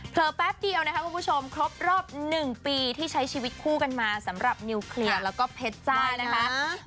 แป๊บเดียวนะคะคุณผู้ชมครบรอบ๑ปีที่ใช้ชีวิตคู่กันมาสำหรับนิวเคลียร์แล้วก็เพชรจ้านะคะ